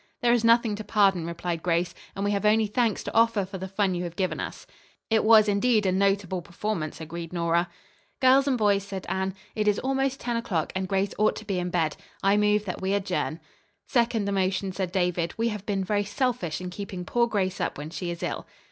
"There is nothing to pardon," replied Grace, "and we have only thanks to offer for the fun you have given us." "It was indeed a notable performance," agreed Nora. "Girls and boys," said Anne, "it is almost ten o'clock and Grace ought to be in bed. I move that we adjourn." "Second the motion," said David. "We have been very selfish in keeping poor Grace up when she is ill."